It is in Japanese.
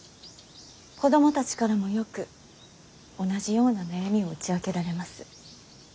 子供たちからもよく同じような悩みを打ち明けられます。